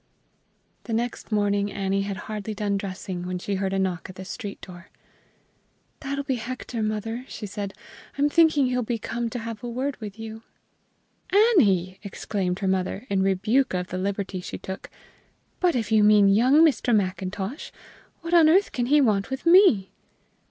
The next morning Annie had hardly done dressing when she heard a knock at the street door. "That'll be Hector, mother," she said. "I'm thinking he'll be come to have a word with you." "Annie!" exclaimed her mother, in rebuke of the liberty she took. "But if you mean young Mr. Macintosh, what on earth can he want with me?"